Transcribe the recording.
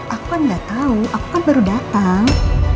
aku kan gak tau aku kan baru datang